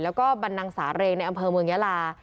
แล้วก็บรรนังสาเรงในอำเภอเมืองยาลา